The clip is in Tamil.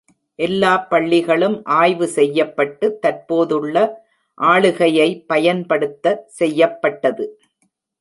எல்லா பள்ளிகளும் ஆய்வு செய்யப்பட்டு, தற்போதுள்ள ஆளுகையை பயன்படுத்த செய்யப்பட்டது.